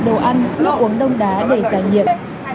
đồ ăn nước uống đông đá để giải nhiệm